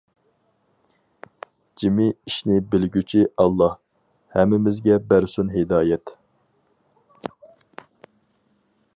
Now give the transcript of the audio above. جىمى ئىشنى بىلگۈچى ئاللا، ھەممىمىزگە بەرسۇن ھىدايەت.